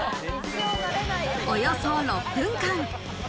およそ６分間。